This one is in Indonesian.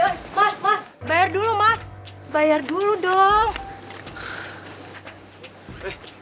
hai mas mas bayar dulu mas bayar dulu dong